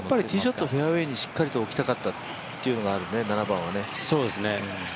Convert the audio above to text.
ティーショット、フェアウエーにしっかり置きたかったというのがあるね、７番はね。